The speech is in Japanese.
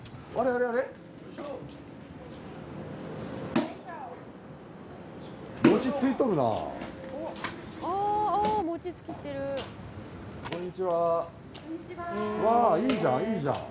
わあいいじゃんいいじゃん。